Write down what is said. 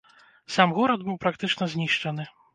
Сам горад быў практычна знішчаны.